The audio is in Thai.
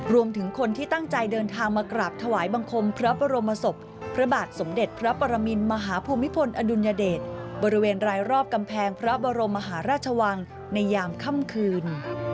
รวมถึงคนที่ตั้งใจเดินทางมากราบถวายบังคมพระบรมศพพระบาทสมเด็จพระปรมินมหาภูมิพลอดุลยเดชบริเวณรายรอบกำแพงพระบรมมหาราชวังในยามค่ำคืน